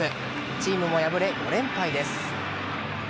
チームも敗れ、５連敗です。